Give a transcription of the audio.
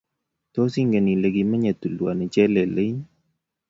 tos inget ile kimenyei tulwoni chelelein